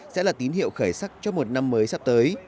sẽ là tín hiệu khởi sắc cho một năm mới sắp tới